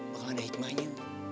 bakal ada hikmahnya